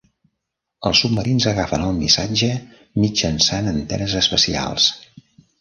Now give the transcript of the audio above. Els submarins agafen el missatge mitjançant antenes especials.